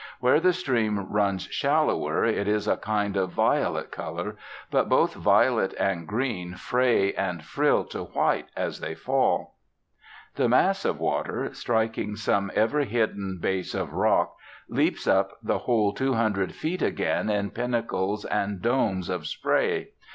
Where the stream runs shallower it is a kind of violet colour, but both violet and green fray and frill to white as they fall. The mass of water, striking some ever hidden base of rock, leaps up the whole two hundred feet again in pinnacles and domes of spray.